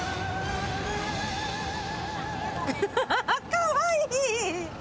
かわいい。